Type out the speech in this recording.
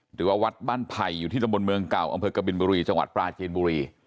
หรือว่าวัดบ้านไผ่อยู่ที่ตำบลเมืองเก่าอำเภอกบินบุรีจังหวัดปลาจีนบุรี